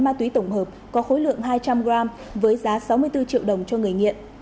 ma túy tổng hợp có khối lượng hai trăm linh g với giá sáu mươi bốn triệu đồng cho người nghiện